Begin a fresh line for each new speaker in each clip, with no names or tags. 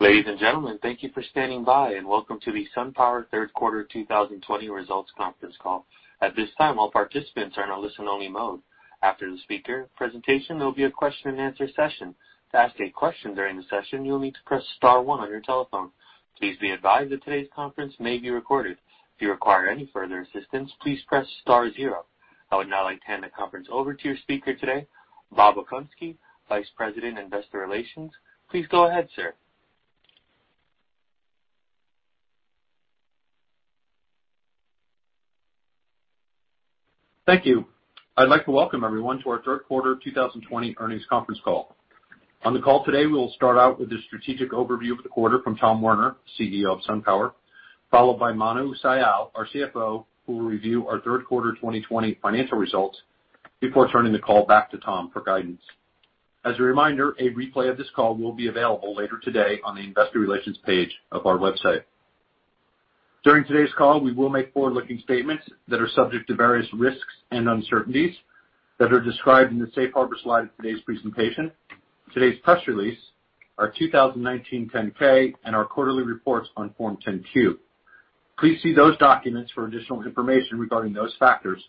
Ladies and gentlemen, thank you for standing by, and welcome to the SunPower Third Quarter 2020 Results Conference Call. At this time, all participants are in a listen-only mode. After the speaker presentation, there will be a question and answer session. To ask a question during the session, you will need to press star one on your telephone. Please be advised that today's conference may be recorded. If you require any further assistance, please press star zero. I would now like to hand the conference over to your speaker today, Bob Okunski, Vice President, Investor Relations. Please go ahead, sir.
Thank you. I'd like to welcome everyone to our third quarter 2020 earnings conference call. On the call today, we will start out with a strategic overview of the quarter from Tom Werner, CEO of SunPower, followed by Manu Sial, our CFO, who will review our third quarter 2020 financial results before turning the call back to Tom for guidance. As a reminder, a replay of this call will be available later today on the investor relations page of our website. During today's call, we will make forward-looking statements that are subject to various risks and uncertainties that are described in the safe harbor slide of today's presentation, today's press release, our 2019 10-K, and our quarterly reports on Form 10-Q. Please see those documents for additional information regarding those factors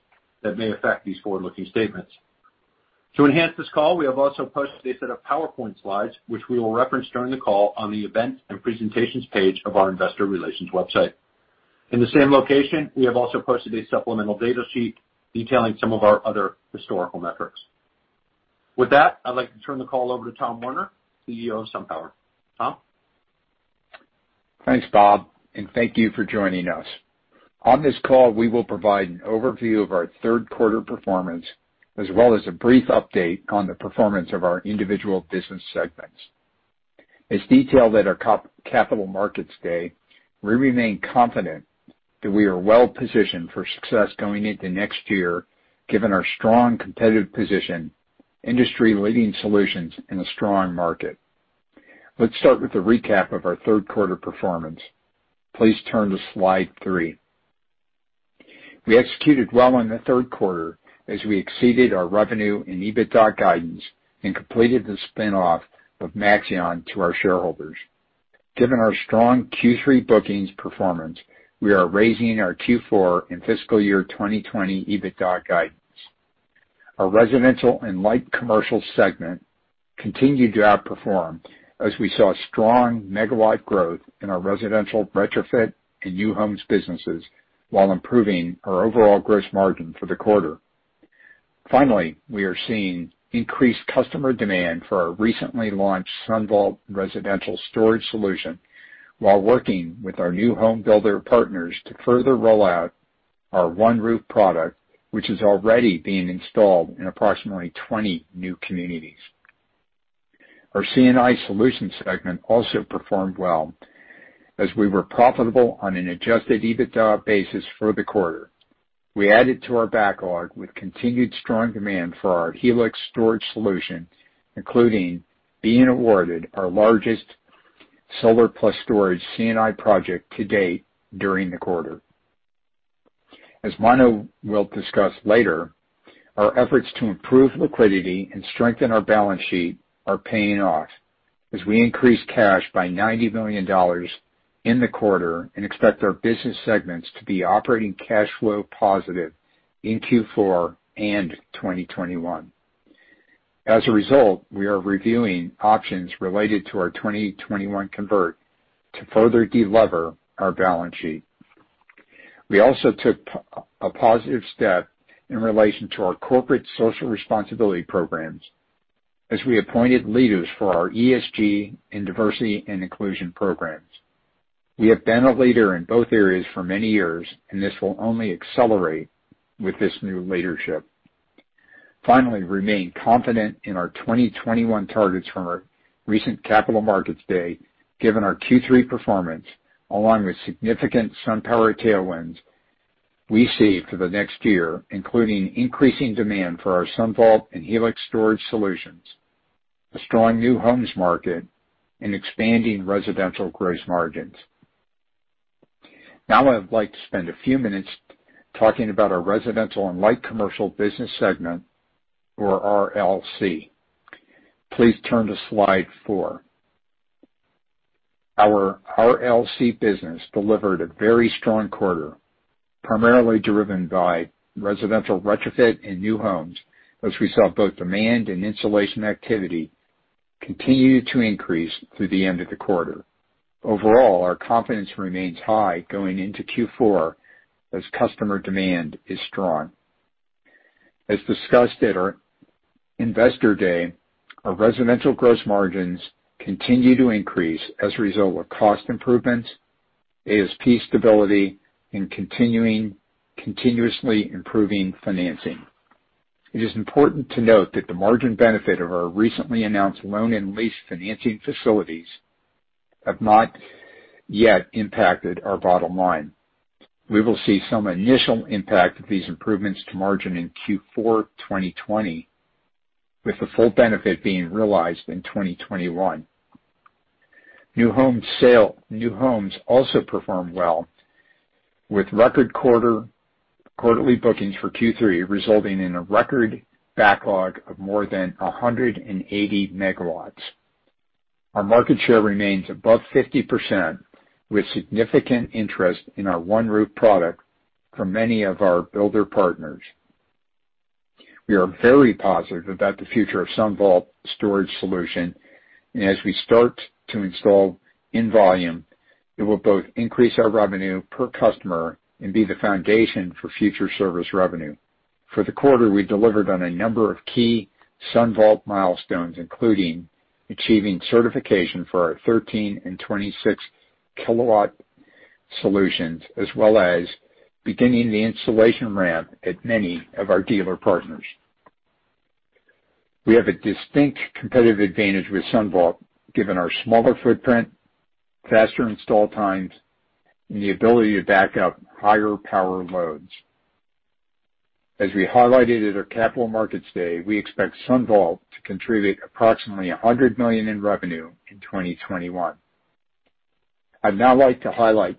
that may affect these forward-looking statements. To enhance this call, we have also posted a set of PowerPoint slides, which we will reference during the call on the events and presentations page of our investor relations website. In the same location, we have also posted a supplemental data sheet detailing some of our other historical metrics. With that, I'd like to turn the call over to Tom Werner, CEO of SunPower. Tom?
Thanks, Bob. Thank you for joining us. On this call, we will provide an overview of our third quarter performance, as well as a brief update on the performance of our individual business segments. As detailed at our Capital Markets Day, we remain confident that we are well-positioned for success going into next year, given our strong competitive position, industry-leading solutions, and a strong market. Let's start with a recap of our third quarter performance. Please turn to slide three. We executed well in the third quarter as we exceeded our revenue and EBITDA guidance and completed the spin-off of Maxeon to our shareholders. Given our strong Q3 bookings performance, we are raising our Q4 and fiscal year 2020 EBITDA guidance. Our residential and light commercial segment continued to outperform as we saw strong megawatt growth in our residential retrofit and new homes businesses while improving our overall gross margin for the quarter. Finally, we are seeing increased customer demand for our recently launched SunVault residential storage solution while working with our new home builder partners to further roll out our OneRoof product, which is already being installed in approximately 20 new communities. Our C&I Solutions segment also performed well as we were profitable on an adjusted EBITDA basis for the quarter. We added to our backlog with continued strong demand for our Helix storage solution, including being awarded our largest solar plus storage C&I project to date during the quarter. As Manu will discuss later, our efforts to improve liquidity and strengthen our balance sheet are paying off as we increase cash by $90 million in the quarter and expect our business segments to be operating cash flow positive in Q4 and 2021. As a result, we are reviewing options related to our 2021 convert to further de-lever our balance sheet. We also took a positive step in relation to our corporate social responsibility programs as we appointed leaders for our ESG and diversity and inclusion programs. We have been a leader in both areas for many years, and this will only accelerate with this new leadership. Finally, we remain confident in our 2021 targets from our recent Capital Markets Day, given our Q3 performance, along with significant SunPower tailwinds we see for the next year, including increasing demand for our SunVault and Helix storage solutions, a strong new homes market, and expanding residential gross margins. I'd like to spend a few minutes talking about our residential and light commercial business segment or RLC. Please turn to slide four. Our RLC business delivered a very strong quarter, primarily driven by residential retrofit and new homes as we saw both demand and installation activity continue to increase through the end of the quarter. Our confidence remains high going into Q4 as customer demand is strong. As discussed at our Capital Markets Day, our residential gross margins continue to increase as a result of cost improvements, ASP stability, and continuously improving financing. It is important to note that the margin benefit of our recently announced loan and lease financing facilities have not yet impacted our bottom line. We will see some initial impact of these improvements to margin in Q4 2020, with the full benefit being realized in 2021. New homes also performed well. With record quarterly bookings for Q3, resulting in a record backlog of more than 180 MW. Our market share remains above 50%, with significant interest in our OneRoof product from many of our builder partners. We are very positive about the future of SunVault storage solution. As we start to install in volume, it will both increase our revenue per customer and be the foundation for future service revenue. For the quarter, we delivered on a number of key SunVault milestones, including achieving certification for our 13 and 26 kW solutions, as well as beginning the installation ramp at many of our dealer partners. We have a distinct competitive advantage with SunVault, given our smaller footprint, faster install times, and the ability to back up higher power loads. As we highlighted at our Capital Markets Day, we expect SunVault to contribute approximately $100 million in revenue in 2021. I'd now like to highlight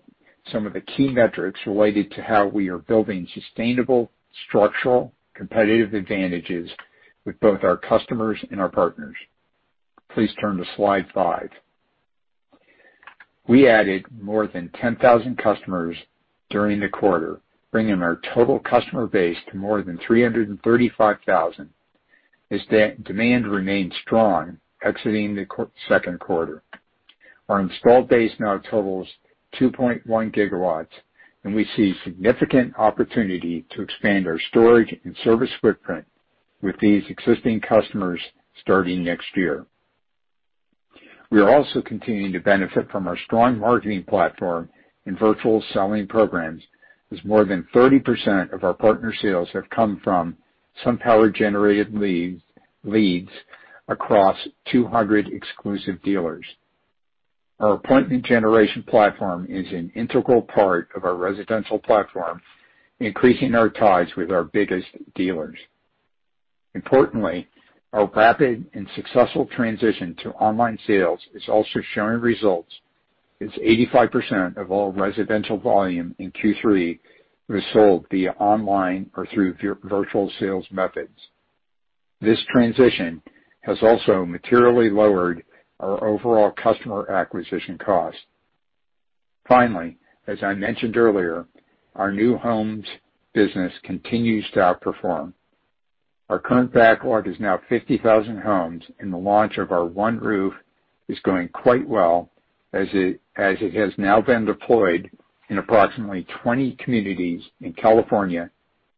some of the key metrics related to how we are building sustainable, structural, competitive advantages with both our customers and our partners. Please turn to slide five. We added more than 10,000 customers during the quarter, bringing our total customer base to more than 335,000, as demand remained strong exiting the second quarter. Our installed base now totals 2.1 GW. We see significant opportunity to expand our storage and service footprint with these existing customers starting next year. We are also continuing to benefit from our strong marketing platform and virtual selling programs, as more than 30% of our partner sales have come from SunPower-generated leads across 200 exclusive dealers. Our appointment generation platform is an integral part of our residential platform, increasing our ties with our biggest dealers. Importantly, our rapid and successful transition to online sales is also showing results, as 85% of all residential volume in Q3 was sold via online or through virtual sales methods. This transition has also materially lowered our overall customer acquisition cost. Finally, as I mentioned earlier, our new homes business continues to outperform. Our current backlog is now 50,000 homes, and the launch of our OneRoof is going quite well as it has now been deployed in approximately 20 communities in California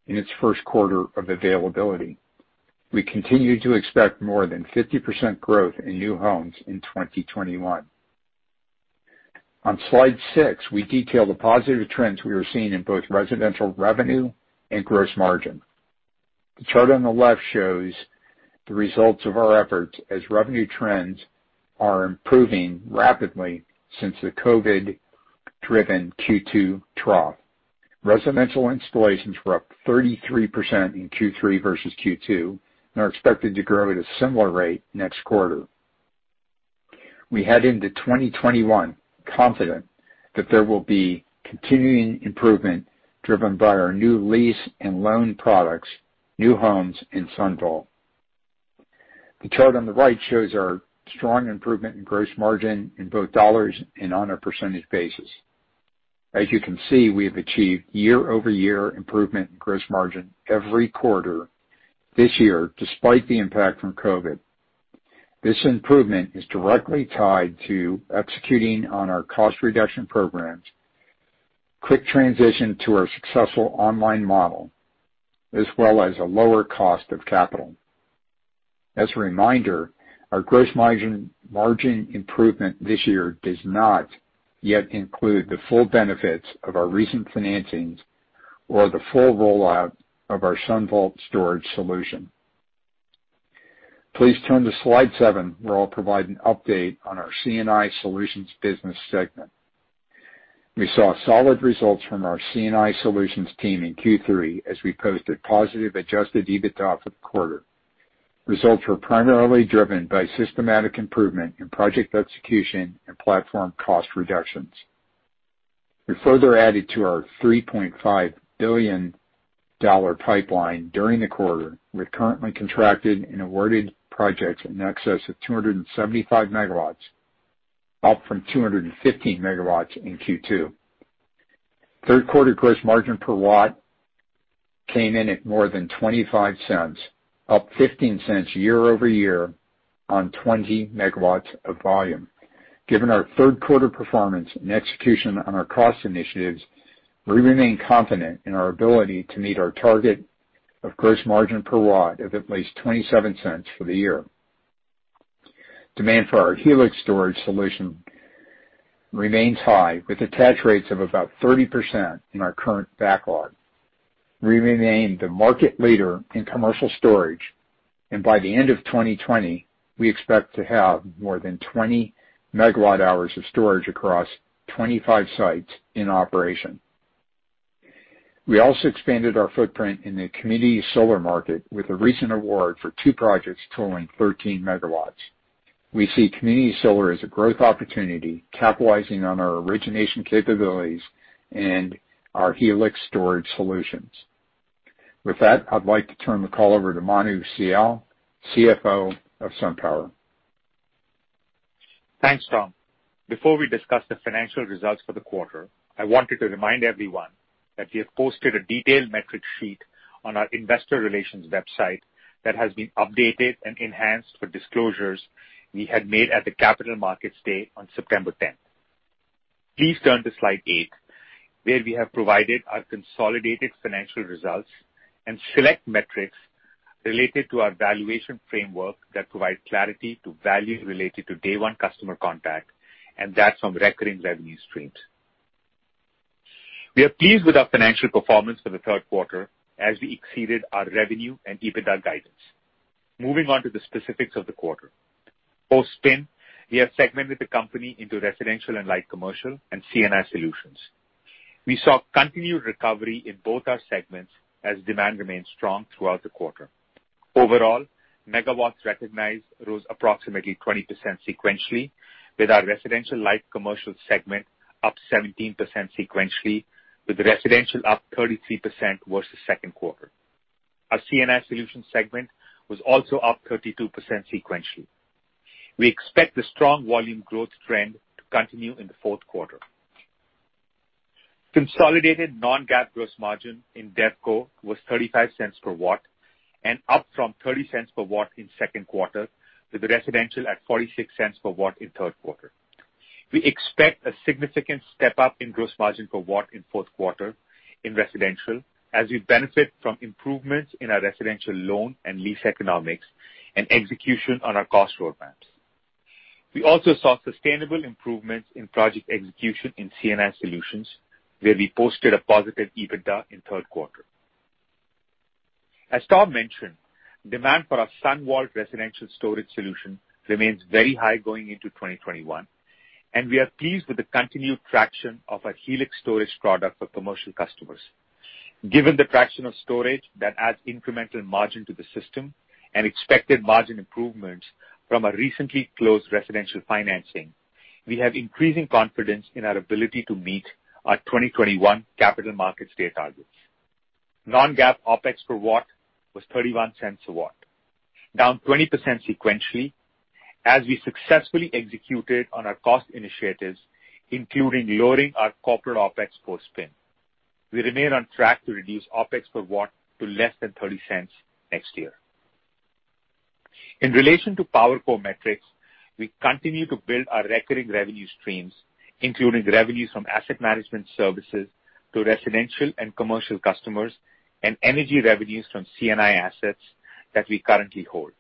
in its first quarter of availability. We continue to expect more than 50% growth in new homes in 2021. On slide six, we detail the positive trends we are seeing in both residential revenue and gross margin. The chart on the left shows the results of our efforts as revenue trends are improving rapidly since the COVID-driven Q2 trough. Residential installations were up 33% in Q3 versus Q2 and are expected to grow at a similar rate next quarter. We head into 2021 confident that there will be continuing improvement driven by our new lease and loan products, new homes, and SunVault. The chart on the right shows our strong improvement in gross margin in both dollars and on a percentage basis. As you can see, we have achieved year-over-year improvement in gross margin every quarter this year, despite the impact from COVID. This improvement is directly tied to executing on our cost reduction programs, quick transition to our successful online model, as well as a lower cost of capital. As a reminder, our gross margin improvement this year does not yet include the full benefits of our recent financings or the full rollout of our SunVault storage solution. Please turn to slide seven, where I'll provide an update on our C&I Solutions business segment. We saw solid results from our C&I Solutions team in Q3 as we posted positive adjusted EBITDA for the quarter. Results were primarily driven by systematic improvement in project execution and platform cost reductions. We further added to our $3.5 billion pipeline during the quarter with currently contracted and awarded projects in excess of 275 MW, up from 215 MW in Q2. Third quarter gross margin per watt came in at more than $0.25, up $0.15 year-over-year on 20 MW of volume. Given our third quarter performance and execution on our cost initiatives, we remain confident in our ability to meet our target of gross margin per watt of at least $0.27 for the year. Demand for our Helix storage solution remains high, with attach rates of about 30% in our current backlog. We remain the market leader in commercial storage, and by the end of 2020, we expect to have more than 20 MWh of storage across 25 sites in operation. We also expanded our footprint in the community solar market with a recent award for two projects totaling 13 MW. We see community solar as a growth opportunity, capitalizing on our origination capabilities and our Helix storage solutions. With that, I'd like to turn the call over to Manu Sial, CFO of SunPower.
Thanks, Tom. Before we discuss the financial results for the quarter, I wanted to remind everyone that we have posted a detailed metrics sheet on our investor relations website that has been updated and enhanced for disclosures we had made at the Capital Markets Day on September 10th. Please turn to slide eight, where we have provided our consolidated financial results and select metrics related to our valuation framework that provide clarity to value related to day one customer contact, and that's from recurring revenue streams. We are pleased with our financial performance for the third quarter as we exceeded our revenue and EBITDA guidance. Moving on to the specifics of the quarter. Post-spin, we have segmented the company into residential and light commercial, and C&I solutions. We saw continued recovery in both our segments as demand remained strong throughout the quarter. Overall, megawatts recognized rose approximately 20% sequentially, with our residential light commercial segment up 17% sequentially, with residential up 33% versus second quarter. Our C&I Solutions segment was also up 32% sequentially. We expect the strong volume growth trend to continue in the fourth quarter. Consolidated non-GAAP gross margin in DevCo was $0.35 per watt and up from $0.30 per watt in second quarter, with residential at $0.46 per watt in third quarter. We expect a significant step-up in gross margin per watt in fourth quarter in residential as we benefit from improvements in our residential loan and lease economics and execution on our cost roadmaps. We also saw sustainable improvements in project execution in C&I Solutions, where we posted a positive EBITDA in third quarter. As Tom mentioned, demand for our SunVault residential storage solution remains very high going into 2021, and we are pleased with the continued traction of our Helix storage product for commercial customers. Given the traction of storage that adds incremental margin to the system and expected margin improvements from a recently closed residential financing, we have increasing confidence in our ability to meet our 2021 Capital Markets Day targets. Non-GAAP OpEx per watt was $0.31 a watt, down 20% sequentially as we successfully executed on our cost initiatives, including lowering our corporate OpEx post-spin. We remain on track to reduce OpEx per watt to less than $0.30 next year. In relation to PowerCo metrics, we continue to build our recurring revenue streams, including revenues from asset management services to residential and commercial customers, and energy revenues from C&I assets that we currently hold.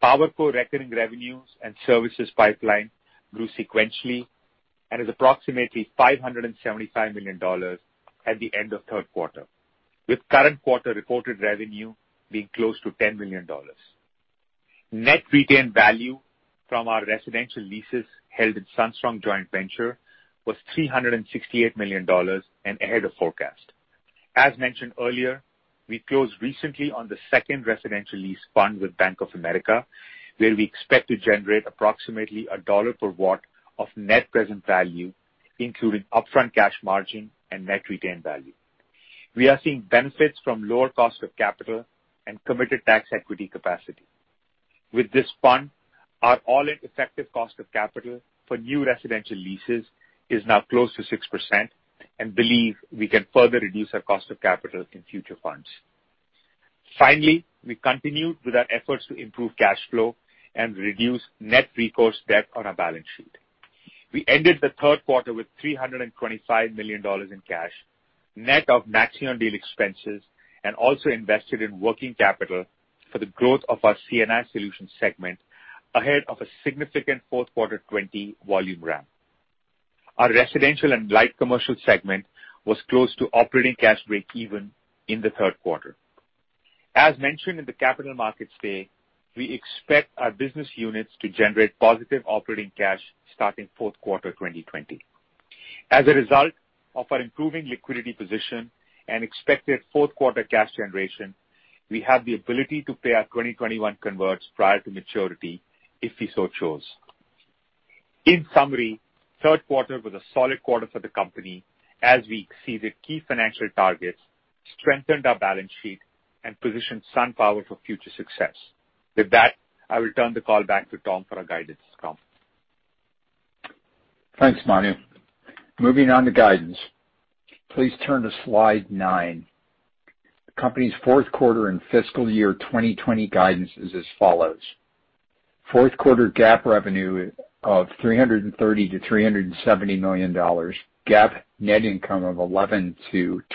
PowerCo recurring revenues and services pipeline grew sequentially and is approximately $575 million at the end of third quarter, with current quarter reported revenue being close to $10 million. Net retained value from our residential leases held in SunStrong Joint Venture was $368 million and ahead of forecast. As mentioned earlier, we closed recently on the second residential lease fund with Bank of America, where we expect to generate approximately $1 per watt of net present value, including upfront cash margin and net retained value. We are seeing benefits from lower cost of capital and committed tax equity capacity. With this fund, our all-in effective cost of capital for new residential leases is now close to 6% and believe we can further reduce our cost of capital in future funds. Finally, we continued with our efforts to improve cash flow and reduce net recourse debt on our balance sheet. We ended the third quarter with $325 million in cash, net of Maxeon deal expenses, and also invested in working capital for the growth of our C&I Solutions segment ahead of a significant fourth quarter 2020 volume ramp. Our residential and light commercial segment was close to operating cash break even in the third quarter. As mentioned in the Capital Markets Day, we expect our business units to generate positive operating cash starting fourth quarter 2020. As a result of our improving liquidity position and expected fourth quarter cash generation, we have the ability to pay our 2021 converts prior to maturity if we so choose. In summary, third quarter was a solid quarter for the company as we exceeded key financial targets, strengthened our balance sheet, and positioned SunPower for future success. With that, I will turn the call back to Tom for our guidance. Tom.
Thanks, Manu. Moving on to guidance. Please turn to slide nine. The company's fourth quarter and fiscal year 2020 guidance is as follows. Fourth quarter GAAP revenue of $330 million-$370 million. GAAP net income of $11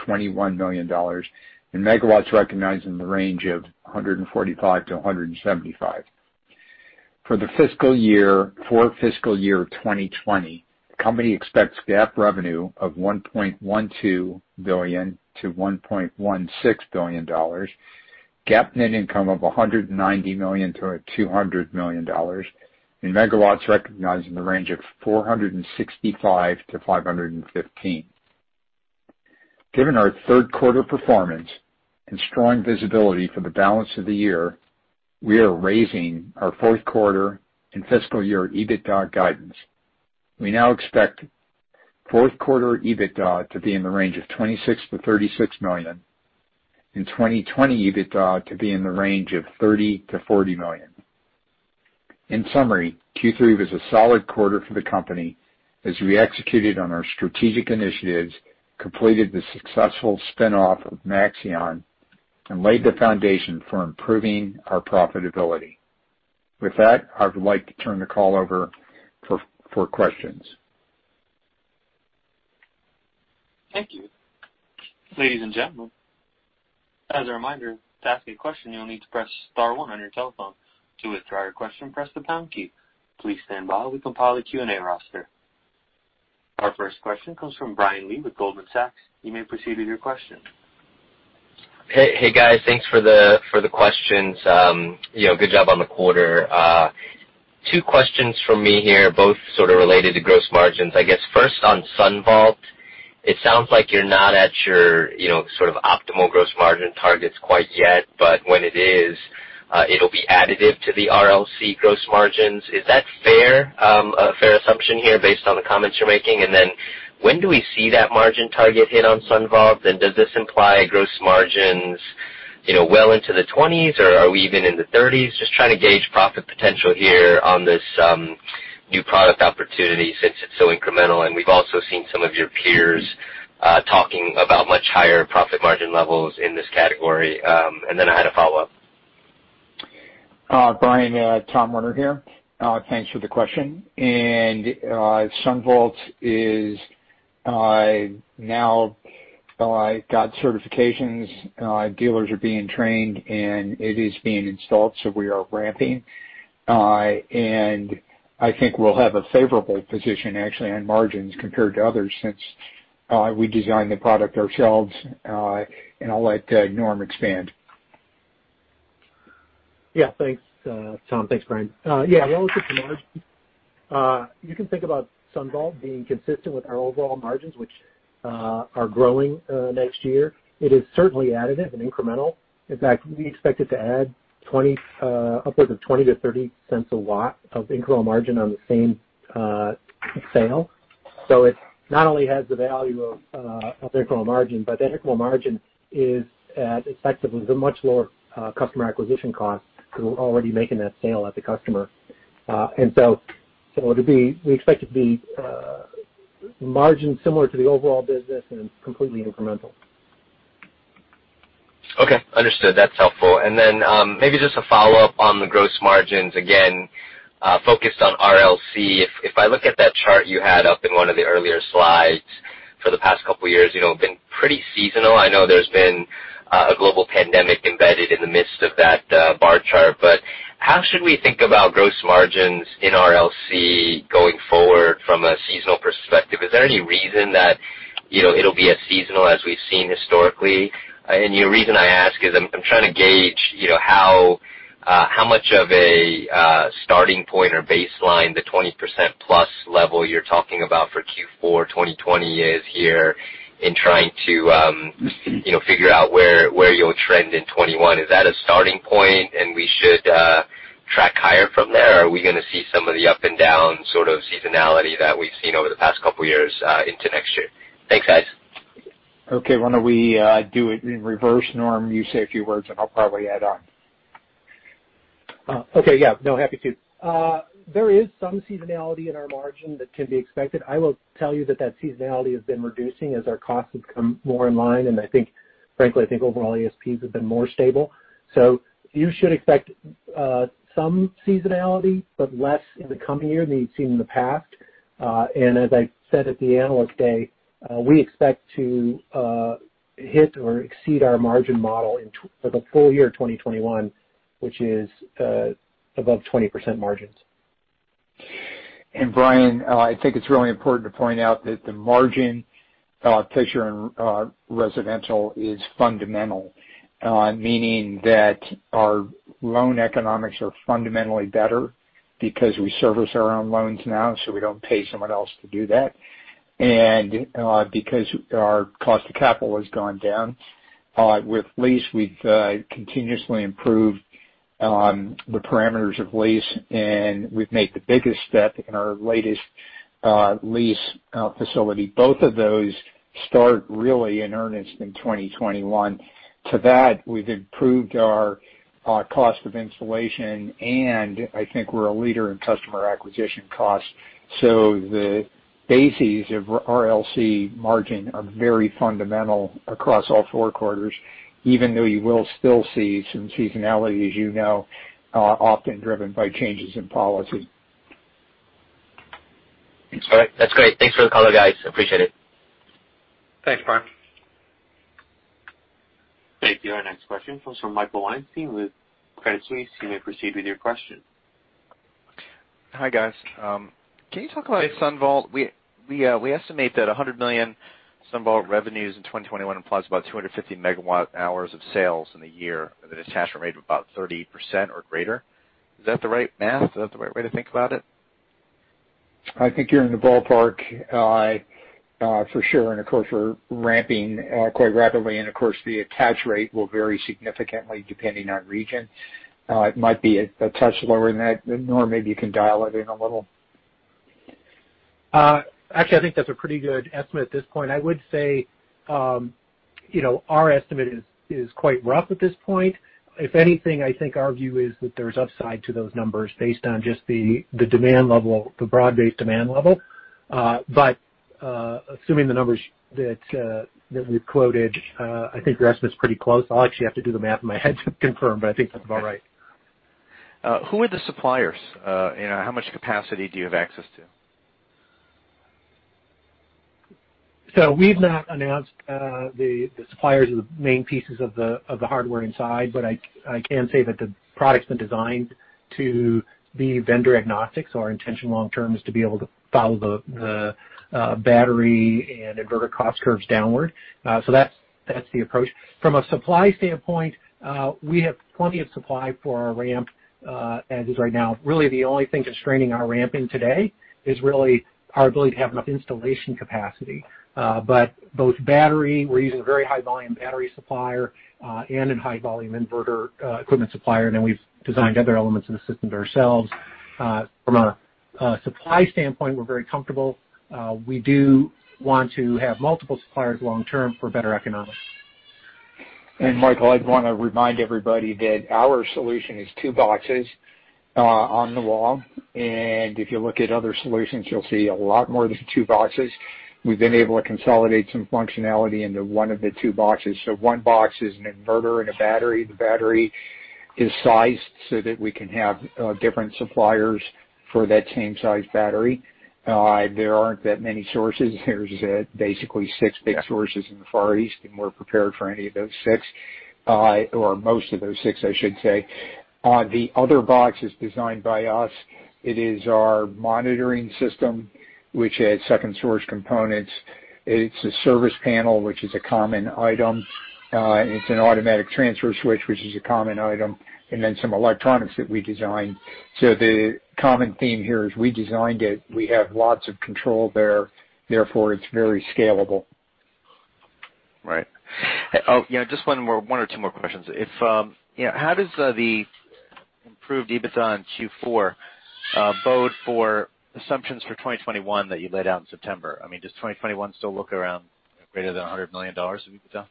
million-$21 million. Megawatts recognized in the range of 145-175. For the fiscal year 2020, the company expects GAAP revenue of $1.12 billion-$1.16 billion. GAAP net income of $190 million-$200 million. In megawatts, recognized in the range of 465-515. Given our third quarter performance and strong visibility for the balance of the year, we are raising our fourth quarter and fiscal year EBITDA guidance. We now expect fourth quarter EBITDA to be in the range of $26 million-$36 million. In 2020, EBITDA to be in the range of $30 million-$40 million. In summary, Q3 was a solid quarter for the company as we executed on our strategic initiatives, completed the successful spin-off of Maxeon, and laid the foundation for improving our profitability. With that, I would like to turn the call over for questions.
Thank you. Ladies and gentlemen, as a reminder, to ask a question, you'll need to press star one on your telephone. To withdraw your question, press the pound key. Please stand by while we compile the Q&A roster. Our first question comes from Brian Lee with Goldman Sachs. You may proceed with your question.
Hey, guys. Thanks for the questions. Good job on the quarter. Two questions from me here, both sort of related to gross margins. I guess first on SunVault, it sounds like you're not at your sort of optimal gross margin targets quite yet, but when it is, it'll be additive to the RLC gross margins. Is that a fair assumption here based on the comments you're making? When do we see that margin target hit on SunVault? Does this imply gross margins well into the 20s or are we even in the 30s? Just trying to gauge profit potential here on this new product opportunity since it's so incremental. We've also seen some of your peers talking about much higher profit margin levels in this category. I had a follow-up.
Brian, Tom Werner here. Thanks for the question. SunVault is now got certifications, dealers are being trained, and it is being installed, so we are ramping. I think we'll have a favorable position actually on margins compared to others since we designed the product ourselves. I'll let Norm expand.
Thanks, Tom. Thanks, Brian. Relative to margins, you can think about SunVault being consistent with our overall margins, which are growing next year. It is certainly additive and incremental. In fact, we expect it to add upwards of $0.20-$0.30 a watt of incremental margin on the same sale. It not only has the value of incremental margin, but the incremental margin is at effectively the much lower customer acquisition cost because we're already making that sale at the customer. We expect it to be margin similar to the overall business and completely incremental.
Okay, understood. That's helpful. Maybe just a follow-up on the gross margins, again focused on RLC. If I look at that chart you had up in one of the earlier slides for the past couple of years, been pretty seasonal. I know there's been a global pandemic embedded in the midst of that bar chart, but how should we think about gross margins in RLC going forward from a seasonal perspective? Is there any reason that it'll be as seasonal as we've seen historically? The reason I ask is I'm trying to gauge how much of a starting point or baseline the 20%+ level you're talking about for Q4 2020 is here in trying to figure out where you'll trend in 2021. Is that a starting point and we should track higher from there, or are we going to see some of the up and down sort of seasonality that we've seen over the past couple of years into next year? Thanks, guys.
Okay. Why don't we do it in reverse, Norm, you say a few words, and I'll probably add on.
Okay. Yeah, no, happy to. There is some seasonality in our margin that can be expected. I will tell you that that seasonality has been reducing as our costs have come more in line, and I think frankly, I think overall ASPs have been more stable. You should expect some seasonality, but less in the coming year than you've seen in the past. As I said at the Analyst Day, we expect to hit or exceed our margin model for the full year 2021, which is above 20% margins.
Brian, I think it's really important to point out that the margin picture in Residential is fundamental, meaning that our loan economics are fundamentally better because we service our own loans now, so we don't pay someone else to do that. Because our cost of capital has gone down. With lease, we've continuously improved on the parameters of lease, and we've made the biggest step in our latest lease facility. Both of those start really in earnest in 2021. To that, we've improved our cost of installation, and I think we're a leader in customer acquisition costs. The bases of RLC margin are very fundamental across all four quarters, even though you will still see some seasonality as you know, often driven by changes in policy.
All right. That's great. Thanks for the call, guys. Appreciate it.
Thanks, Brian.
Thank you. Our next question comes from Michael Weinstein with Credit Suisse. You may proceed with your question.
Hi, guys. Can you talk about SunVault? We estimate that $100 million SunVault revenues in 2021 implies about 250 MWh of sales in a year with an attachment rate of about 30% or greater. Is that the right math? Is that the right way to think about it?
I think you're in the ballpark for sure. Of course, we're ramping quite rapidly, and of course, the attach rate will vary significantly depending on region. It might be a touch lower than that. Norm, maybe you can dial it in a little.
Actually, I think that's a pretty good estimate at this point. I would say our estimate is quite rough at this point. If anything, I think our view is that there's upside to those numbers based on just the broad-based demand level. Assuming the numbers that we've quoted, I think your estimate's pretty close. I'll actually have to do the math in my head to confirm, but I think that's about right.
Who are the suppliers? How much capacity do you have access to?
We've not announced the suppliers of the main pieces of the hardware inside, but I can say that the product's been designed to be vendor-agnostic. Our intention long term is to be able to follow the battery and inverter cost curves downward. That's the approach. From a supply standpoint, we have plenty of supply for our ramp as is right now. The only thing constraining our ramping today is really our ability to have enough installation capacity. Both battery, we're using a very high-volume battery supplier, and a high-volume inverter equipment supplier, and then we've designed other elements of the system ourselves. From a supply standpoint, we're very comfortable. We do want to have multiple suppliers long term for better economics.
Michael, I'd want to remind everybody that our solution is two boxes on the wall, and if you look at other solutions, you'll see a lot more than two boxes. We've been able to consolidate some functionality into one of the two boxes. One box is an inverter and a battery. The battery is sized so that we can have different suppliers for that same size battery. There aren't that many sources. There's basically six big sources in the Far East, and we're prepared for any of those six. Most of those six, I should say. The other box is designed by us. It is our monitoring system, which has second-source components. It's a service panel, which is a common item. It's an automatic transfer switch, which is a common item, and then some electronics that we designed. The common theme here is we designed it. We have lots of control there, therefore, it's very scalable.
Right. Just one or two more questions. How does the improved EBITDA in Q4 bode for assumptions for 2021 that you laid out in September? I mean, does 2021 still look around greater than $100 million, if you could tell?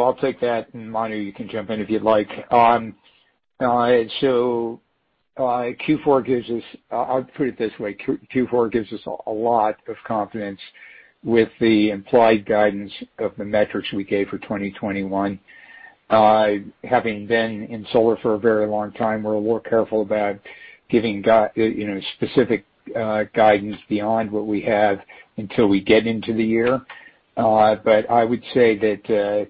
I'll take that, and Manu, you can jump in if you'd like. Q4 gives us I'll put it this way. Q4 gives us a lot of confidence with the implied guidance of the metrics we gave for 2021. Having been in solar for a very long time, we're a little careful about giving specific guidance beyond what we have until we get into the year. I would say that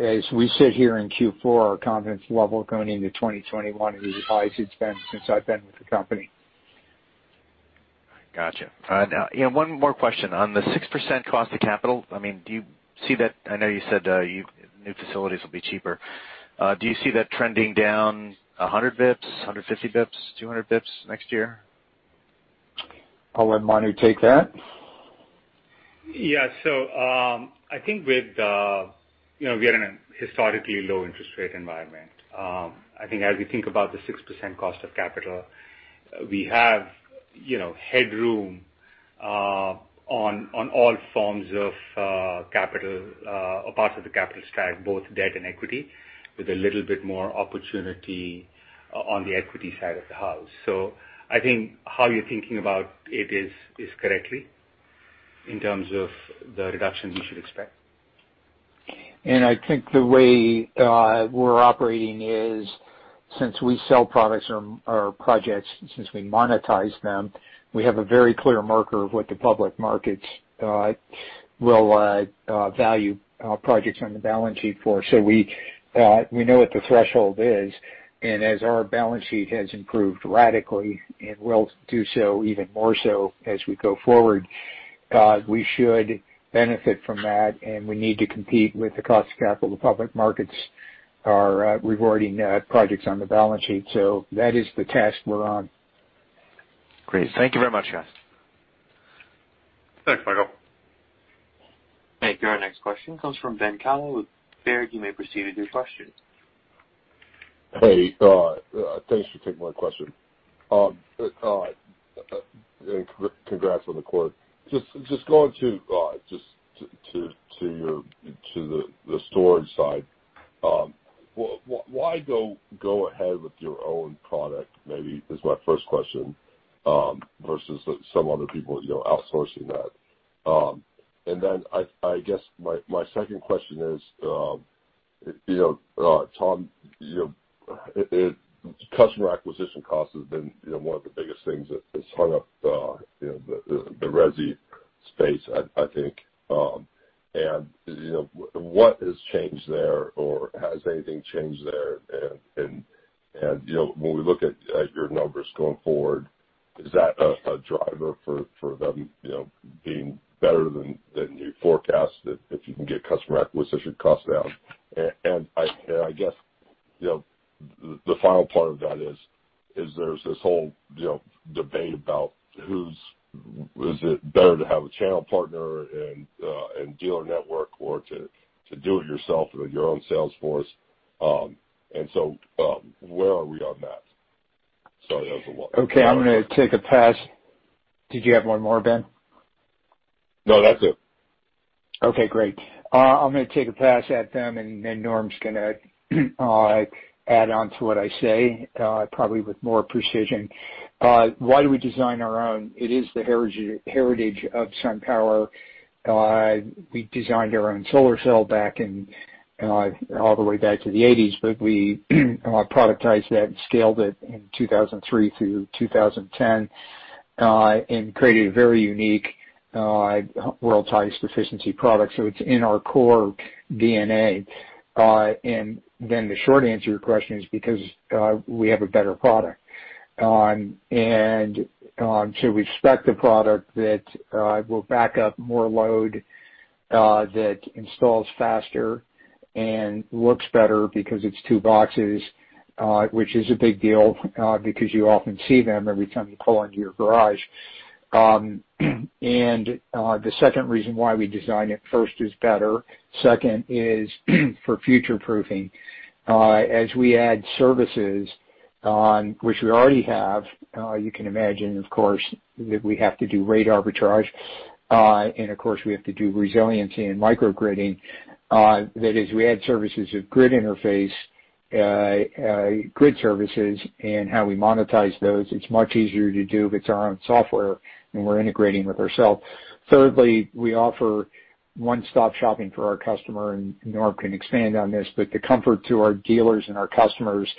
as we sit here in Q4, our confidence level going into 2021 is as high as it's been since I've been with the company.
Got you. One more question. On the 6% cost of capital, I know you said new facilities will be cheaper. Do you see that trending down 100 basis points, 150 basis points, 200 basis points next year?
I'll let Manu take that.
Yeah. I think we are in a historically low interest rate environment. I think as we think about the 6% cost of capital, we have headroom on all forms of capital or parts of the capital stack, both debt and equity, with a little bit more opportunity on the equity side of the house. I think how you're thinking about it is correctly in terms of the reduction we should expect.
I think the way we're operating is since we sell products or projects, since we monetize them, we have a very clear marker of what the public markets will value projects on the balance sheet for. We know what the threshold is, and as our balance sheet has improved radically, and will do so even more so as we go forward, we should benefit from that, and we need to compete with the cost of capital. The public markets are rewarding projects on the balance sheet. That is the task we're on.
Great. Thank you very much, guys.
Thanks, Michael.
Thank you. Our next question comes from Ben Kallo with Baird. You may proceed with your question.
Hey, thanks for taking my question. Congrats on the quarter. Just going to the storage side. Why go ahead with your own product, maybe, is my first question, versus some other people outsourcing that? I guess my second question is, Tom, customer acquisition cost has been one of the biggest things that has hung up the resi space, I think. What has changed there, or has anything changed there? When we look at your numbers going forward, is that a driver for them being better than you forecast, if you can get customer acquisition cost down? The final part of that is, there's this whole debate about is it better to have a channel partner and dealer network or to do-it-yourself with your own sales force. Where are we on that? Sorry, that was a lot.
Okay. I'm going to take a pass. Did you have one more, Ben?
No, that's it.
Okay, great. I'm going to take a pass at them, and then Norm's going to add on to what I say, probably with more precision. Why do we design our own? It is the heritage of SunPower. We designed our own solar cell back in all the way back to the '80s, but we productized that and scaled it in 2003 through 2010, and created a very unique, world's highest efficiency product. It's in our core DNA. Then the short answer to your question is because we have a better product. So we spec a product that will back up more load, that installs faster and looks better because it's two boxes, which is a big deal, because you often see them every time you pull into your garage. The second reason why we design it, first is better. Second is for future-proofing. As we add services, which we already have, you can imagine, of course, that we have to do rate arbitrage, and of course, we have to do resiliency and micro gridding. As we add services of grid interface, grid services, and how we monetize those, it's much easier to do if it's our own software and we're integrating with ourself. Thirdly, we offer one-stop shopping for our customer, and Norm can expand on this, but the comfort to our dealers and our customers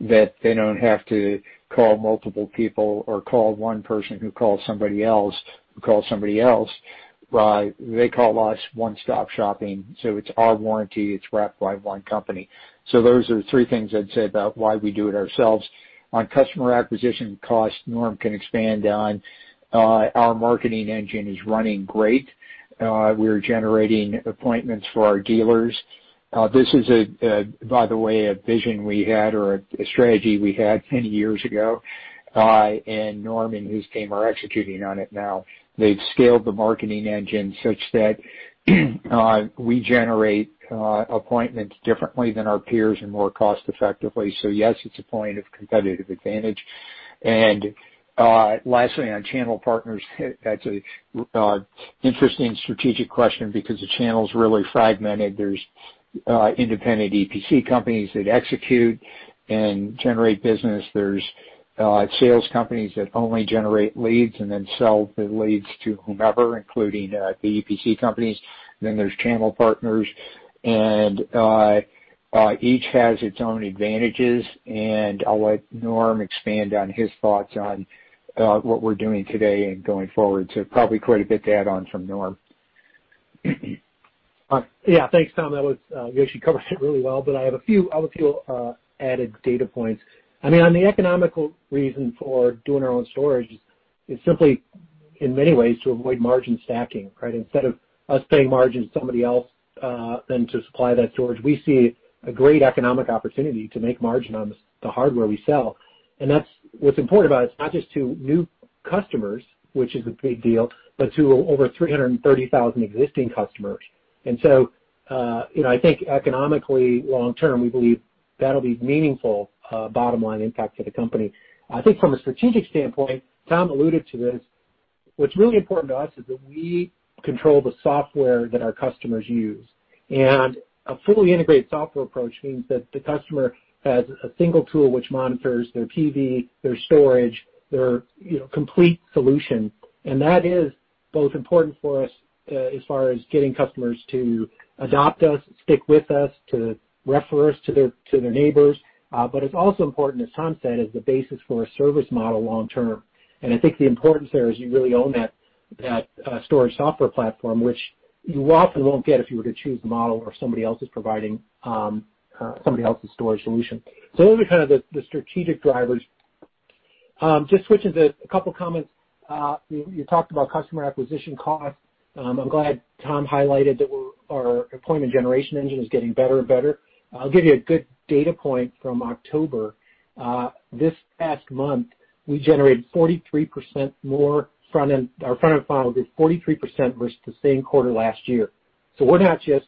that they don't have to call multiple people or call one person who calls somebody else who calls somebody else. They call us, one-stop shopping. It's our warranty. It's wrapped by one company. Those are the three things I'd say about why we do it ourselves. On customer acquisition cost, Norm can expand on. Our marketing engine is running great. We're generating appointments for our dealers. This is, by the way, a vision we had or a strategy we had many years ago. Norm and his team are executing on it now. They've scaled the marketing engine such that we generate appointments differently than our peers and more cost-effectively. Yes, it's a point of competitive advantage. Lastly, on channel partners, that's an interesting strategic question because the channel's really fragmented. There's independent EPC companies that execute and generate business. There's sales companies that only generate leads and then sell the leads to whomever, including the EPC companies. There's channel partners. Each has its own advantages. I'll let Norm expand on his thoughts on what we're doing today and going forward. Probably quite a bit to add on from Norm.
Thanks, Tom. You actually covered it really well. I have a few added data points. On the economical reason for doing our own storage is simply, in many ways, to avoid margin stacking. Instead of us paying margin to somebody else then to supply that storage, we see a great economic opportunity to make margin on the hardware we sell. What's important about it's not just to new customers, which is a big deal, but to over 330,000 existing customers. I think economically, long term, we believe that'll be meaningful bottom-line impact to the company. I think from a strategic standpoint, Tom alluded to this, what's really important to us is that we control the software that our customers use. A fully integrated software approach means that the customer has a single tool which monitors their PV, their storage, their complete solution. That is both important for us as far as getting customers to adopt us, stick with us, to refer us to their neighbors. It's also important, as Tom said, as the basis for a service model long term. I think the importance there is you really own that storage software platform, which you often won't get if you were to choose the model where somebody else is providing somebody else's storage solution. Those are kind of the strategic drivers. Switching to a couple of comments. You talked about customer acquisition cost. I'm glad Tom highlighted that our appointment generation engine is getting better and better. I'll give you a good data point from October. This past month, our front-end funnel did 43% versus the same quarter last year. We're not just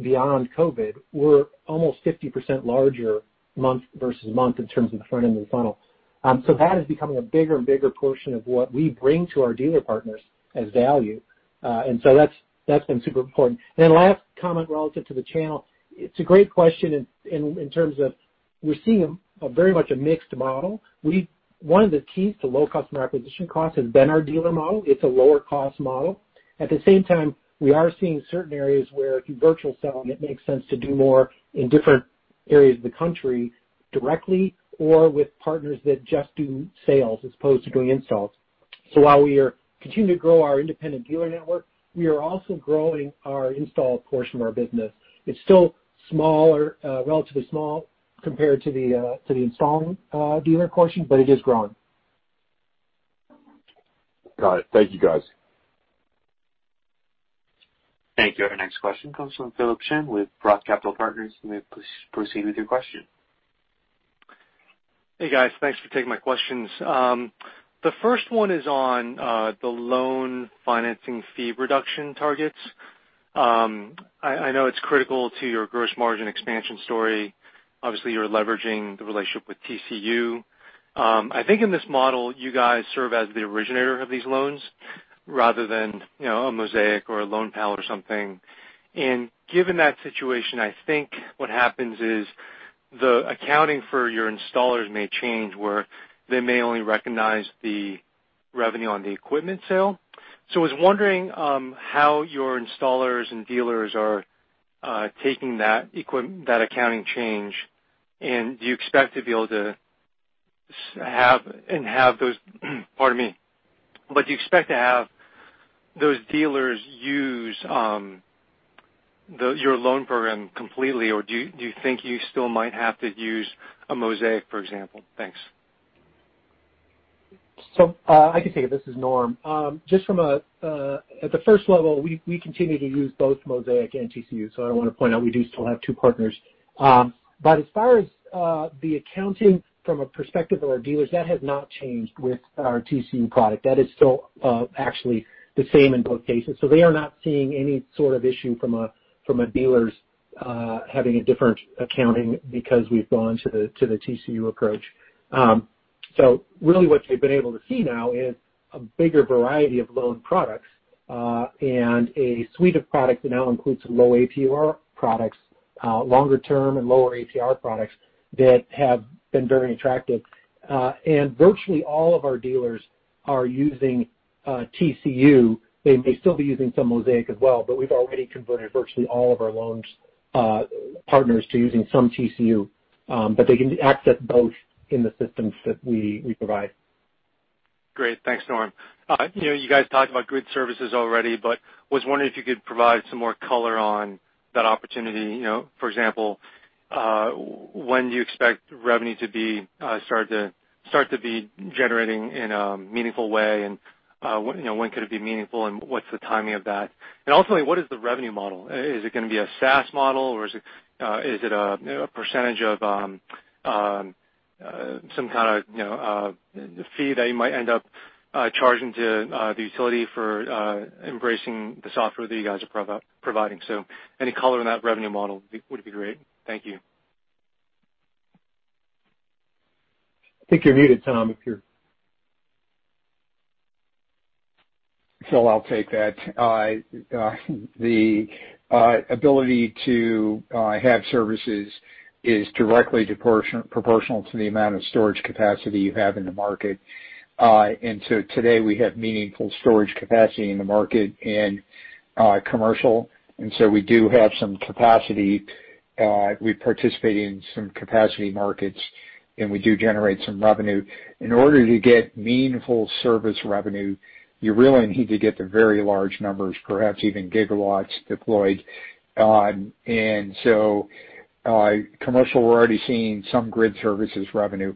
beyond COVID, we're almost 50% larger month-over-month in terms of the front end of the funnel. That is becoming a bigger and bigger portion of what we bring to our dealer partners as value. That's been super important. Then last comment relative to the channel. It's a great question in terms of we're seeing very much a mixed model. One of the keys to low customer acquisition cost has been our dealer model. It's a lower-cost model. At the same time, we are seeing certain areas where through virtual selling, it makes sense to do more in different areas of the country directly or with partners that just do sales as opposed to doing installs. While we continue to grow our independent dealer network, we are also growing our install portion of our business. It's still relatively small compared to the installing dealer portion, but it is growing.
Got it. Thank you, guys.
Thank you. Our next question comes from Philip Shen with ROTH Capital Partners. You may please proceed with your question.
Hey, guys. Thanks for taking my questions. The first one is on the loan financing fee reduction targets. I know it's critical to your gross margin expansion story. Obviously, you're leveraging the relationship with Tech CU. I think in this model, you guys serve as the originator of these loans rather than a Mosaic or a Loanpal or something. Given that situation, I think what happens is the accounting for your installers may change, where they may only recognize the revenue on the equipment sale. I was wondering how your installers and dealers are taking that accounting change, and do you expect to have those dealers use your loan program completely or do you think you still might have to use a Mosaic, for example? Thanks.
I can take it. This is Norm. At the first level, we continue to use both Mosaic and TCU. I want to point out we do still have two partners. As far as the accounting from a perspective of our dealers, that has not changed with our TCU product. That is still actually the same in both cases. They are not seeing any sort of issue from a dealer's having a different accounting because we've gone to the TCU approach. Really what we've been able to see now is a bigger variety of loan products, and a suite of products that now includes low APR products, longer-term and lower APR products that have been very attractive. Virtually all of our dealers are using TCU. They may still be using some Mosaic as well, but we've already converted virtually all of our loan partners to using some Tech CU. They can access both in the systems that we provide.
Great. Thanks, Norm. You guys talked about grid services already, but was wondering if you could provide some more color on that opportunity. For example, when do you expect revenue to start to be generating in a meaningful way, and when could it be meaningful and what's the timing of that? Ultimately, what is the revenue model? Is it going to be a SaaS model or is it a percentage of some kind of fee that you might end up charging to the utility for embracing the software that you guys are providing? Any color on that revenue model would be great. Thank you.
I think you're muted, Tom.
I'll take that. The ability to have services is directly proportional to the amount of storage capacity you have in the market. Today we have meaningful storage capacity in the market in commercial. We do have some capacity. We participate in some capacity markets, and we do generate some revenue. In order to get meaningful service revenue, you really need to get to very large numbers, perhaps even gigawatts deployed. Commercial, we're already seeing some grid services revenue.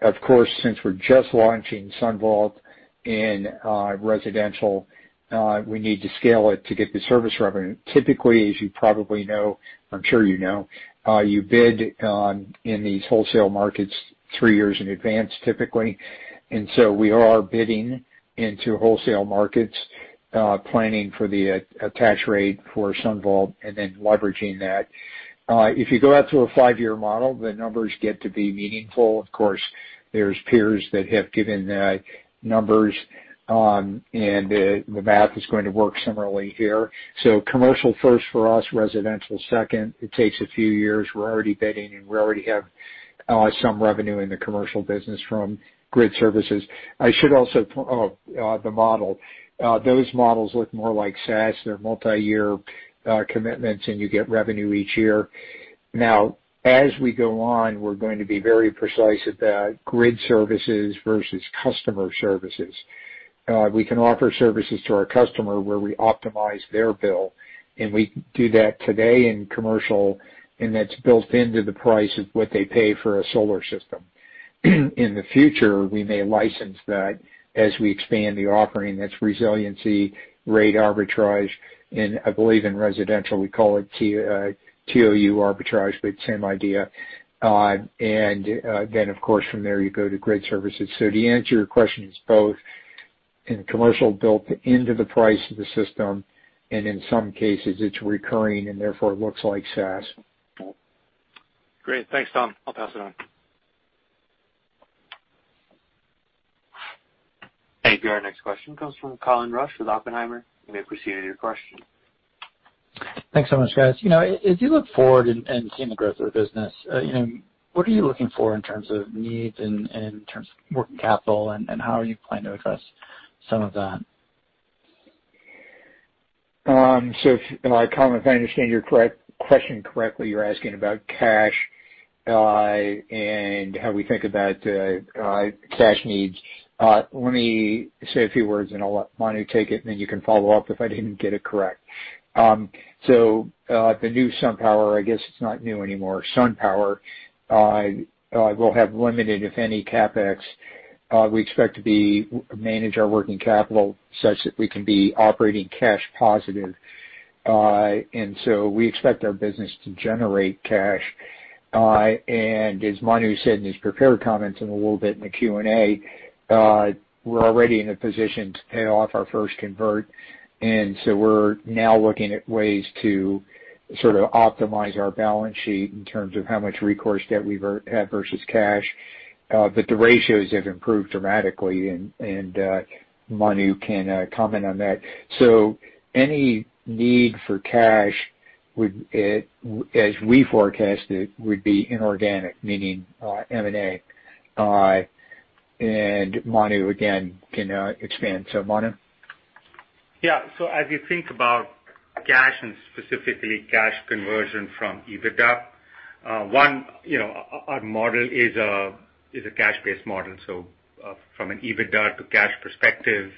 Of course, since we're just launching SunVault in residential, we need to scale it to get the service revenue. Typically, as you probably know, I'm sure you know, you bid in these wholesale markets three years in advance, typically. We are bidding into wholesale markets, planning for the attached rate for SunVault and then leveraging that. If you go out to a five-year model, the numbers get to be meaningful. Of course, there's peers that have given numbers, and the math is going to work similarly here. Commercial first for us, residential second. It takes a few years. We're already bidding, and we already have some revenue in the commercial business from grid services. Those models look more like SaaS. They're multi-year commitments, and you get revenue each year. Now as we go on, we're going to be very precise about grid services versus customer services. We can offer services to our customer where we optimize their bill, and we do that today in commercial, and that's built into the price of what they pay for a solar system. In the future, we may license that as we expand the offering. That's resiliency, rate arbitrage, and I believe in residential we call it TOU arbitrage, but same idea. Then of course from there you go to grid services. To answer your question, it's both in commercial built into the price of the system and in some cases it's recurring and therefore it looks like SaaS.
Great. Thanks, Tom. I'll pass it on.
Thank you. Our next question comes from Colin Rusch with Oppenheimer. You may proceed with your question.
Thanks so much, guys. As you look forward and seeing the growth of the business, what are you looking for in terms of needs and in terms of working capital, and how are you planning to address some of that?
Colin, if I understand your question correctly, you're asking about cash, and how we think about cash needs. Let me say a few words, and I'll let Manu take it, and then you can follow up if I didn't get it correct. The new SunPower, I guess it's not new anymore, SunPower will have limited, if any, CapEx. We expect to manage our working capital such that we can be operating cash positive. We expect our business to generate cash. As Manu said in his prepared comments and a little bit in the Q&A, we're already in a position to pay off our first convert. We're now looking at ways to optimize our balance sheet in terms of how much recourse debt we've had versus cash. The ratios have improved dramatically, and Manu can comment on that. Any need for cash, as we forecast it, would be inorganic, meaning M&A. Manu, again, can expand. Manu?
Yeah. As you think about cash and specifically cash conversion from EBITDA, one, our model is a cash-based model. From an EBITDA to cash perspective,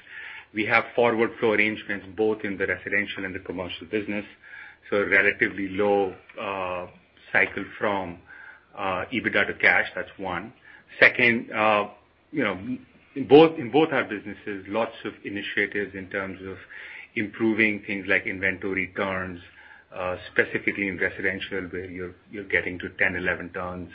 we have forward flow arrangements both in the residential and the commercial business, so relatively low cycle from EBITDA to cash. That's one. Second, in both our businesses, lots of initiatives in terms of improving things like inventory turns, specifically in residential, where you're getting to 10, 11 turns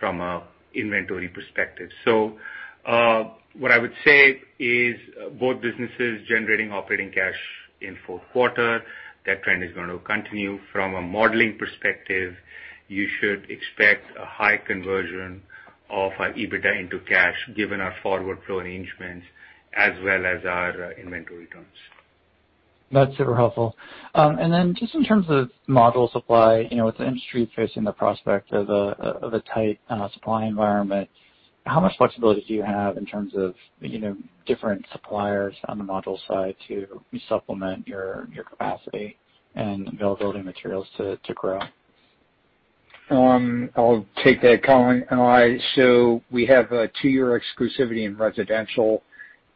from an inventory perspective. What I would say is both businesses generating operating cash in fourth quarter. That trend is going to continue. From a modeling perspective, you should expect a high conversion of our EBITDA into cash given our forward flow arrangements as well as our inventory turns.
That's super helpful. Just in terms of module supply, with the industry facing the prospect of a tight supply environment, how much flexibility do you have in terms of different suppliers on the module side to supplement your capacity and availability of materials to grow?
I'll take that, Colin. We have a two-year exclusivity in residential,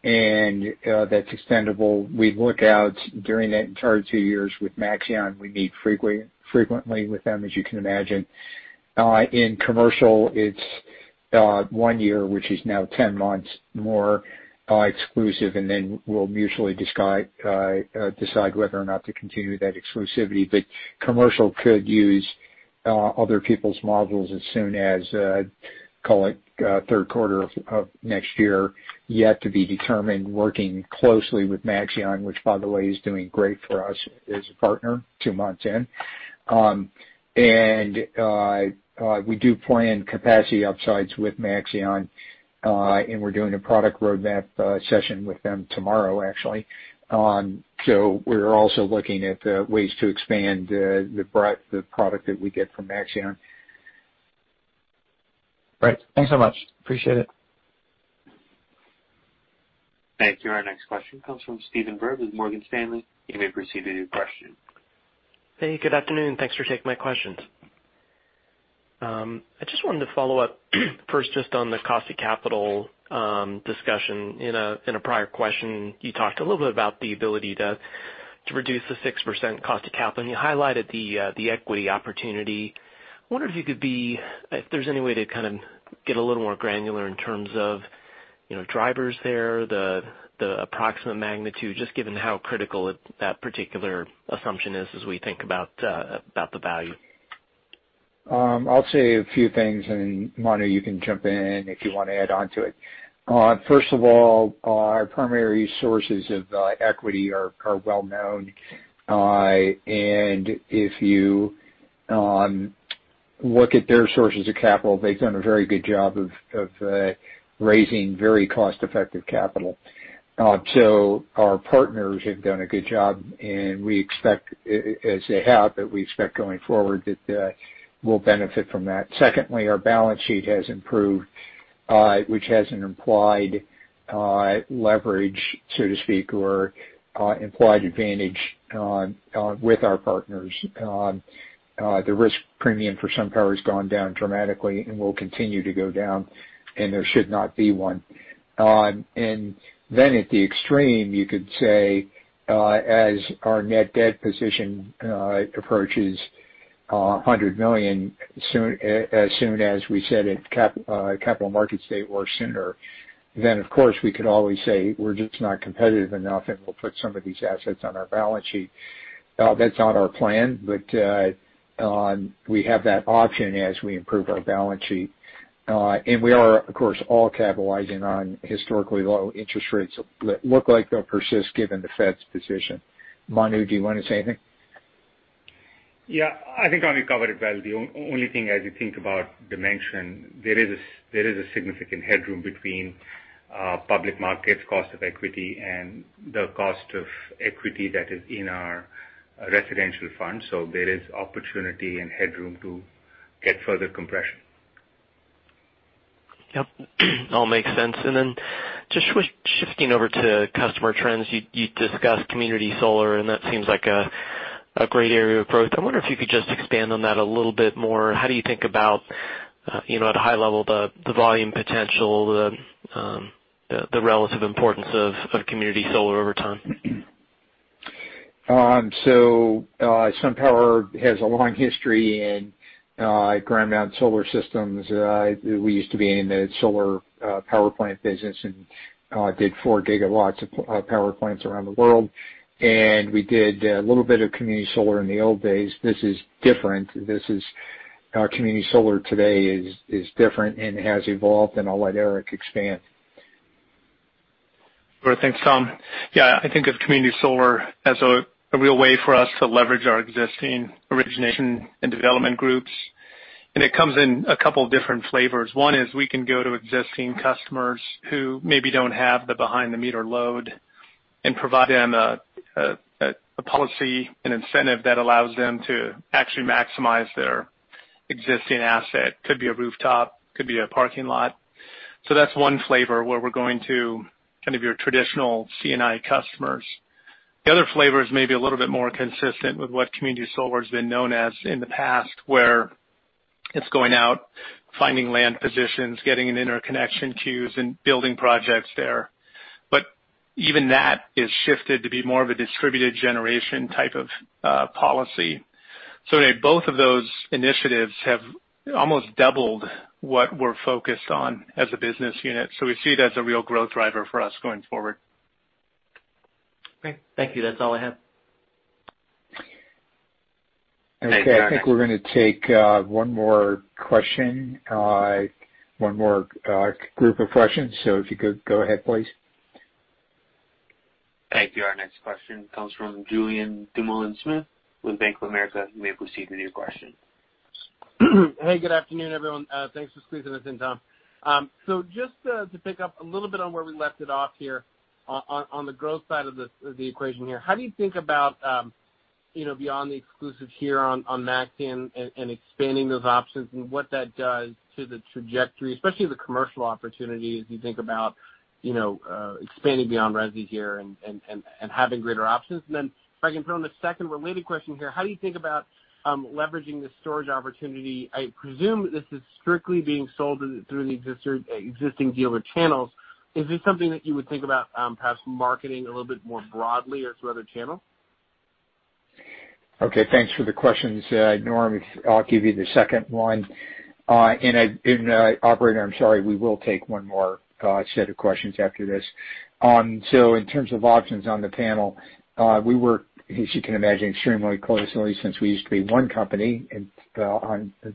and that's extendable. We look out during that entire two years with Maxeon. We meet frequently with them, as you can imagine. In commercial, it's one year, which is now 10 months more exclusive, and then we'll mutually decide whether or not to continue that exclusivity. Commercial could use other people's modules as soon as, call it, third quarter of next year. Yet to be determined, working closely with Maxeon, which by the way, is doing great for us as a partner two months in. We do plan capacity upsides with Maxeon, and we're doing a product roadmap session with them tomorrow, actually. We're also looking at ways to expand the product that we get from Maxeon.
Great. Thanks so much. Appreciate it.
Thank you. Our next question comes from Stephen Byrd with Morgan Stanley. You may proceed with your question.
Hey, good afternoon. Thanks for taking my questions. I just wanted to follow up first just on the cost of capital discussion. In a prior question, you talked a little bit about the ability to reduce the 6% cost of capital, and you highlighted the equity opportunity. I wonder if there's any way to kind of get a little more granular in terms of drivers there, the approximate magnitude, just given how critical that particular assumption is as we think about the value.
I'll say a few things, and Manu, you can jump in if you want to add onto it. If you look at their sources of capital, they've done a very good job of raising very cost-effective capital. Our partners have done a good job, and as they have, we expect going forward that we'll benefit from that. Secondly, our balance sheet has improved, which has an implied leverage, so to speak, or implied advantage with our partners. The risk premium for SunPower has gone down dramatically and will continue to go down, and there should not be one. At the extreme, you could say, as our net debt position approaches $100 million, as soon as we said at Capital Markets Day or sooner, then of course, we could always say we're just not competitive enough, and we'll put some of these assets on our balance sheet. That's not our plan, but we have that option as we improve our balance sheet. We are, of course, all capitalizing on historically low interest rates that look like they'll persist given the Fed's position. Manu, do you want to say anything?
Yeah, I think Tom covered it well. The only thing, as you think about dimension, there is a significant headroom between public market cost of equity and the cost of equity that is in our residential fund. There is opportunity and headroom to get further compression.
Yep. All makes sense. Just shifting over to customer trends, you discussed community solar, and that seems like a great area of growth. I wonder if you could just expand on that a little bit more. How do you think about, at a high level, the volume potential, the relative importance of community solar over time?
SunPower has a long history in ground mount solar systems. We used to be in the solar power plant business and did four gigawatts of power plants around the world, and we did a little bit of community solar in the old days. This is different. Community solar today is different and has evolved, and I'll let Eric expand.
Sure thing, Tom. I think of community solar as a real way for us to leverage our existing origination and development groups. It comes in a couple different flavors. One is we can go to existing customers who maybe don't have the behind the meter load and provide them a policy and incentive that allows them to actually maximize their existing asset. Could be a rooftop, could be a parking lot. That's one flavor, where we're going to kind of your traditional C&I customers. The other flavor is maybe a little bit more consistent with what community solar's been known as in the past, where it's going out, finding land positions, getting in interconnection queues and building projects there. Even that has shifted to be more of a distributed generation type of policy. Today, both of those initiatives have almost doubled what we're focused on as a business unit. We see it as a real growth driver for us going forward.
Great. Thank you. That's all I have.
Okay. I think we're going to take one more question, one more group of questions. If you could go ahead, please.
Thank you. Our next question comes from Julien Dumoulin-Smith with Bank of America. You may proceed with your question.
Hey, good afternoon, everyone. Thanks for squeezing us in, Tom. Just to pick up a little bit on where we left it off here on the growth side of the equation here, how do you think about beyond the exclusive here on Maxeon and expanding those options and what that does to the trajectory, especially the commercial opportunity, as you think about expanding beyond resi here and having greater options? If I can throw in a second related question here, how do you think about leveraging the storage opportunity? I presume this is strictly being sold through the existing dealer channels. Is this something that you would think about perhaps marketing a little bit more broadly or through other channels?
Okay. Thanks for the questions, Norm. I'll give you the second one. Operator, I'm sorry, we will take one more set of questions after this. In terms of options on the panel, we work, as you can imagine, extremely closely since we used to be one company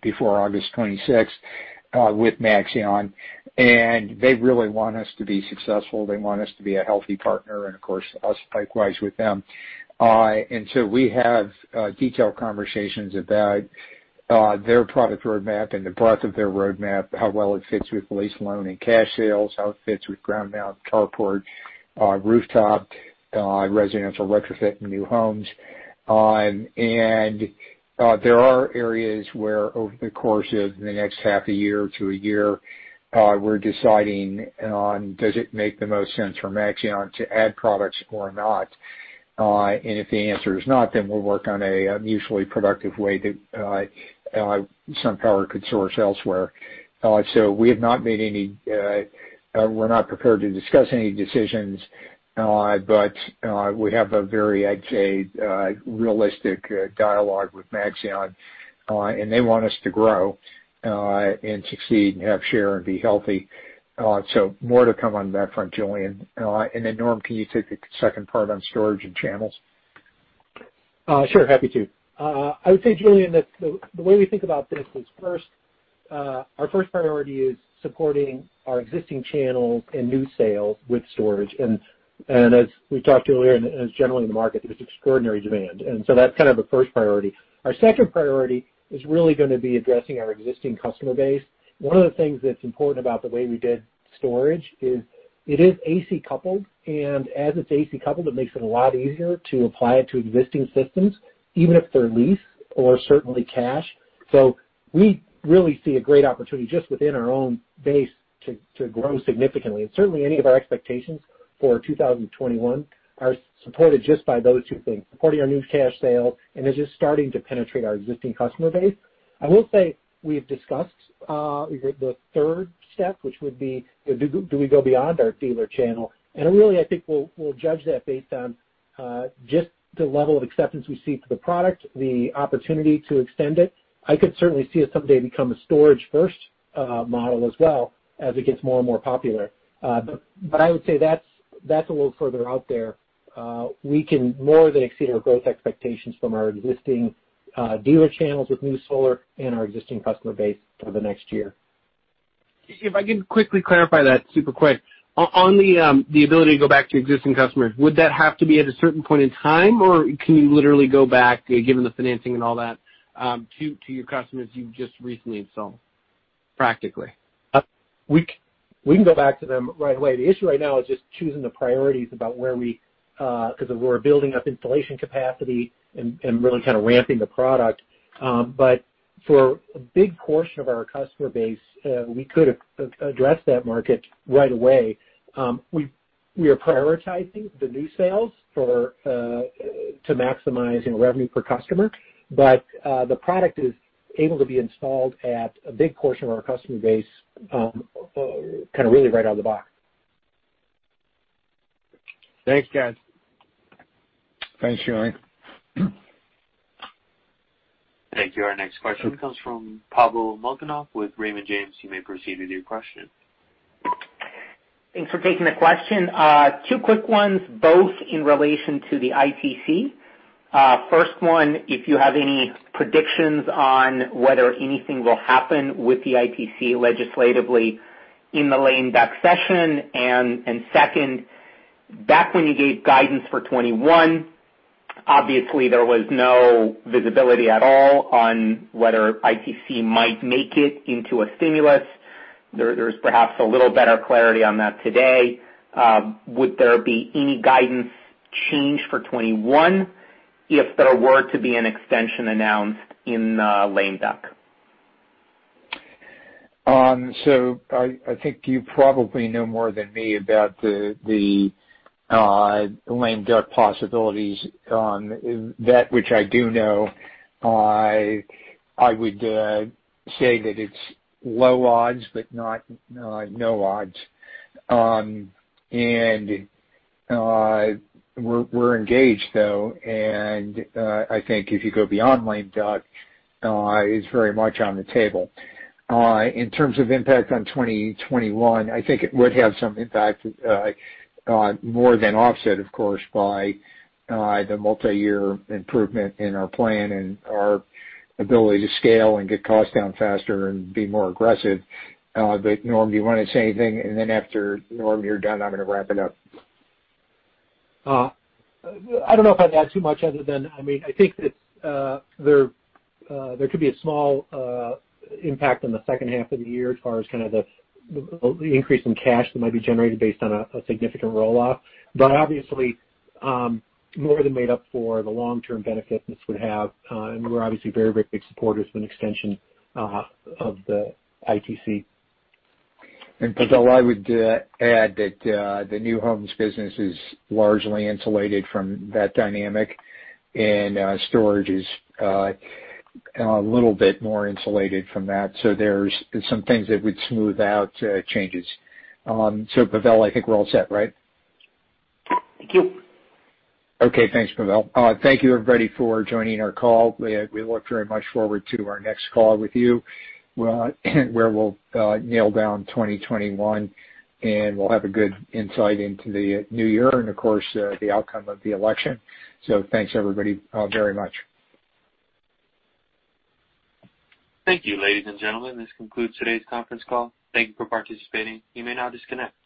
before August 26 with Maxeon, and they really want us to be successful. They want us to be a healthy partner, and of course, us likewise with them. We have detailed conversations about their product roadmap and the breadth of their roadmap, how well it fits with lease, loan, and cash sales, how it fits with ground mount carport, rooftop, residential retrofit, and new homes. There are areas where over the course of the next half a year to a year we're deciding on does it make the most sense for Maxeon to add products or not. If the answer is not, then we'll work on a mutually productive way that SunPower could source elsewhere. We're not prepared to discuss any decisions, but we have a very, I'd say, realistic dialogue with Maxeon. They want us to grow and succeed and have share and be healthy. More to come on that front, Julien. Norm, can you take the second part on storage and channels?
Sure. Happy to. I would say, Julien, that the way we think about this is our first priority is supporting our existing channels and new sales with storage. As we talked earlier, as generally in the market, there's extraordinary demand. That's kind of a first priority. Our second priority is really going to be addressing our existing customer base. One of the things that's important about the way we did storage is it is AC coupled, and as it's AC coupled, it makes it a lot easier to apply it to existing systems, even if they're lease or certainly cash. We really see a great opportunity just within our own base to grow significantly. Certainly, any of our expectations for 2021 are supported just by those two things, supporting our new cash sale and then just starting to penetrate our existing customer base. I will say we've discussed the third step, which would be do we go beyond our dealer channel? Really, I think we'll judge that based on just the level of acceptance we see to the product, the opportunity to extend it. I could certainly see us someday become a storage-first model as well as it gets more and more popular. I would say that's a little further out there. We can more than exceed our growth expectations from our existing dealer channels with new solar and our existing customer base for the next year.
If I can quickly clarify that super quick. On the ability to go back to existing customers, would that have to be at a certain point in time, or can you literally go back, given the financing and all that, to your customers you've just recently installed practically?
We can go back to them right away. The issue right now is just choosing the priorities about where we because we're building up installation capacity and really kind of ramping the product. For a big portion of our customer base, we could address that market right away. We are prioritizing the new sales to maximize revenue per customer. The product is able to be installed at a big portion of our customer base kind of really right out of the box.
Thanks, guys.
Thanks, Julien.
Thank you. Our next question comes from Pavel Molchanov with Raymond James. You may proceed with your question.
Thanks for taking the question. Two quick ones, both in relation to the ITC. First one, if you have any predictions on whether anything will happen with the ITC legislatively in the lame duck session? Second, back when you gave guidance for 2021, obviously there was no visibility at all on whether ITC might make it into a stimulus. There's perhaps a little better clarity on that today. Would there be any guidance change for 2021 if there were to be an extension announced in the lame duck?
I think you probably know more than me about the lame duck possibilities. That which I do know, I would say that it's low odds, but not no odds. We're engaged, though. I think if you go beyond lame duck, it's very much on the table. In terms of impact on 2021, I think it would have some impact, more than offset, of course, by the multi-year improvement in our plan and our ability to scale and get costs down faster and be more aggressive. Norm, do you want to say anything? Then after, Norm, you're done, I'm going to wrap it up.
I don't know if I'd add too much other than, I think that there could be a small impact on the second half of the year as far as kind of the increase in cash that might be generated based on a significant roll-off. Obviously, more than made up for the long-term benefits this would have. We're obviously very big supporters of an extension of the ITC.
Pavel, I would add that the new homes business is largely insulated from that dynamic, and storage is a little bit more insulated from that. There's some things that would smooth out changes. Pavel, I think we're all set, right?
Thank you.
Okay. Thanks, Pavel. Thank you everybody for joining our call. We look very much forward to our next call with you, where we'll nail down 2021 and we'll have a good insight into the new year and of course, the outcome of the election. Thanks everybody very much.
Thank you, ladies and gentlemen. This concludes today's conference call. Thank you for participating. You may now disconnect.